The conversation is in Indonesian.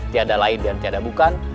tiada lain tia tiada bukan